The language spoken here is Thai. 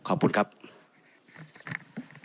ในฐานะรัฐสภาวนี้ตั้งแต่ปี๒๖๒